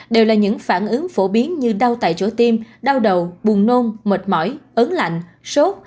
đều là những phản ứng phổ biến như đau tại chỗ tim đau đầu buồn nôn mệt mỏi ấn lạnh sốt